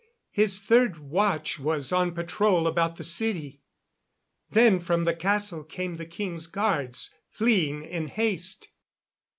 "His third watch was on patrol about the city. Then from the castle came the king's guards, fleeing in haste.